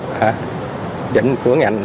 và dẫn của ngành